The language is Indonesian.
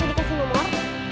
gak dikasih nomor